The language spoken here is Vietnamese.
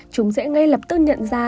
chúng sẽ ngay lập tức nhận ra